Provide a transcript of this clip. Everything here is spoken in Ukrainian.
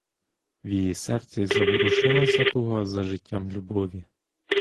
В її серці заворушилася туга за життям любові.